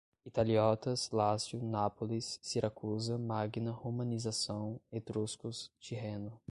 italiotas, Lácio, Nápoles, Siracusa, Magna, romanização, etruscos, Tirreno